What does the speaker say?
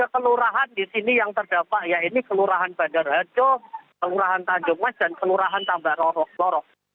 ada tiga kelurahan di sini yang terdampak yaitu kelurahan bandar hajo kelurahan tanjung mas dan kelurahan tambarorok